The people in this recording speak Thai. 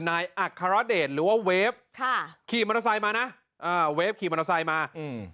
อัครเดชหรือว่าเวฟค่ะขี่มอเตอร์ไซค์มานะอ่าเวฟขี่มอเตอร์ไซค์มาอืม